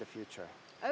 di masa depan